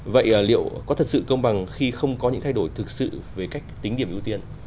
vậy liệu có thật sự công bằng khi không có những thay đổi thực sự về cách tính điểm ưu tiên